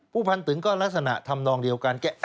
พันตึงก็ลักษณะทำนองเดียวกัน